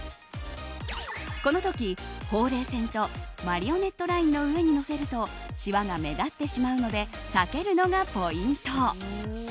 この時、ほうれい線とマリオネットラインの上にのせるとしわが目立ってしまうので避けるのがポイント。